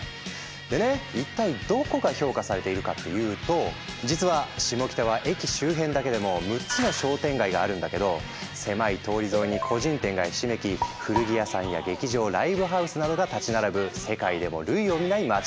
でね一体どこが評価されているかっていうと実はシモキタは駅周辺だけでも６つの商店街があるんだけど狭い通り沿いに個人店がひしめき古着屋さんや劇場ライブハウスなどが建ち並ぶ世界でも類を見ない街だそう。